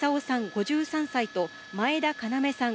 ５３歳と前田要さん